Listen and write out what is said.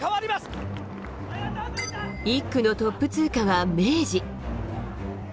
１区のトップ通過は明治。